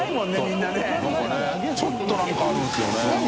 燭ちょっと何かあるんですよね